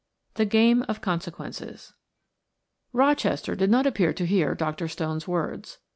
THE GAME OF CONSEQUENCES Rochester did not appear to hear Dr. Stone's words.